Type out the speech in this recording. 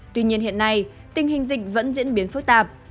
tuy nhiên hiện nay tình hình dịch vẫn diễn biến phức tạp